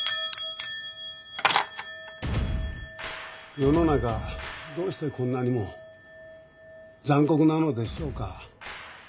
世の中どうしてこんなにも残酷なのでしょうか。